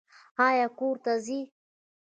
ایا کور ته ځئ؟